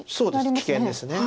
危険です。